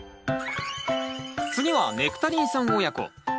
次はネクタリンさん親子。